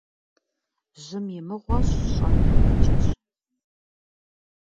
Жьым и мыгъуэщ, щӀэм и гъуэджэщ.